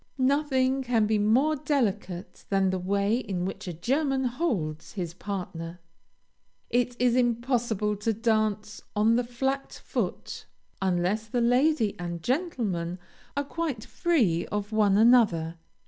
Nothing can be more delicate than the way in which a German holds his partner. It is impossible to dance on the flat foot unless the lady and gentleman are quite free of one another.